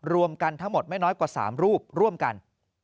รวมกันทั้งหมดไม่น้อยกว่า๓รูปร่วมกัน